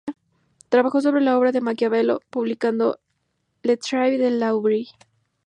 Trabajó sobre la obra de Maquiavelo, publicando "Le Travail de l’œuvre.